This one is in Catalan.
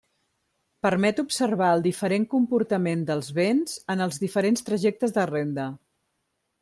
Permet observar el diferent comportament dels béns en els diferents trajectes de renda.